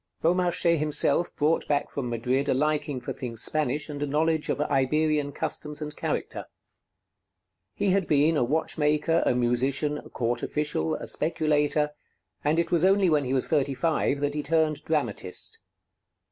Beaumarchais himself brought back from Madrid a liking for things Spanish and a knowledge of Iberian customs and character. [Illustration: Beaumarchais] He had been a watchmaker, a musician, a court official, a speculator, and it was only when he was thirty five that he turned dramatist.